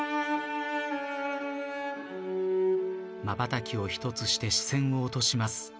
まばたきを１つして視線を落とします。